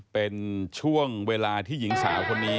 เป็นช่วงเวลาที่หญิงสาวคนนี้